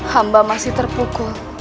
hamba masih terpukul